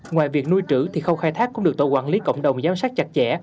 ngoài việc nuôi trữ thì khâu khai thác cũng được tổ quản lý cộng đồng giám sát chặt chẽ